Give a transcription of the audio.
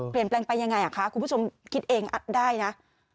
เปลี่ยนแปลงไปยังไงคะคุณผู้ชมคิดเองได้นะ